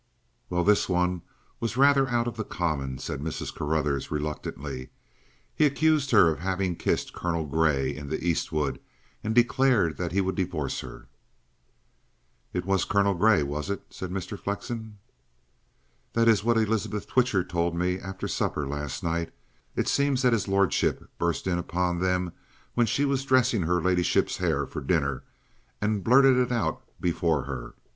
"Well, this one was rather out of the common," said Mrs. Carruthers reluctantly. "He accused her of having kissed Colonel Grey in the East wood and declared that he would divorce her." "It was Colonel Grey, was it?" said Mr. Flexen. "That is what Elizabeth Twitcher told me after supper last night. It seems that his lordship burst in upon them when she was dressing her ladyship's hair for dinner and blurted it out before her.